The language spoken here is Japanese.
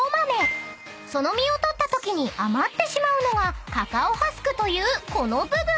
［その実を取ったときに余ってしまうのがカカオハスクというこの部分］